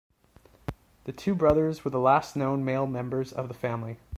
The two brothers were the last known male members of the family.